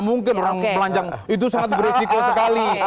mungkin orang melancang itu sangat berisiko sekali